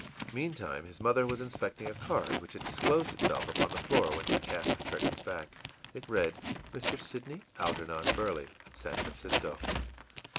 Meantime his mother was inspecting a card which had disclosed itself upon the floor when she cast the curtains back. It read, ìMr. Sidney Algernon Burley, San Francisco.